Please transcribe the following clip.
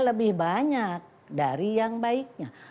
lebih banyak dari yang baiknya